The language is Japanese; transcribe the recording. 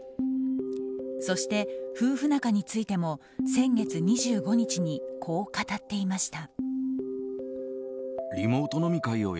そして、夫婦仲についても先月２５日にこう語っていました。